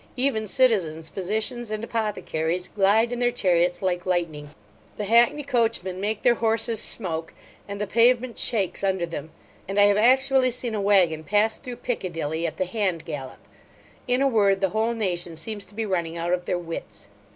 Even citizens, physicians, and apothecaries, glide in their chariots like lightening. The hackney coachmen make their horses smoke, and the pavement shakes under them; and I have actually seen a waggon pass through Piccadilly at the hand gallop. In a word, the whole nation seems to be running out of their wits.